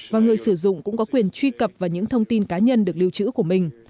và người sử dụng cũng có quyền truy cập vào những thông tin cá nhân được lưu trữ của mình